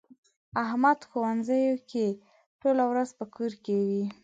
احمد ښځنوکی دی؛ ټوله ورځ په کور کې وي.